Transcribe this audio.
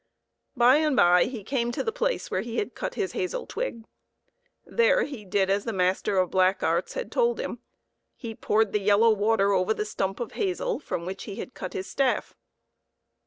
By and by he came to the place where he had cut his hazel twig. There he did as the master of black arts had told him ; he poured the yellow water over the stump of hazel from which he had cut his staff.